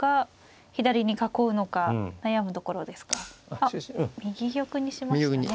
あっ右玉にしましたね。